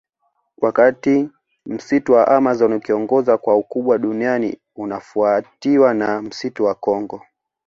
Wakati Msitu wa Amazon ukiongoza kwa ukubwa duniani unafuatiwa na msitu wa Kongo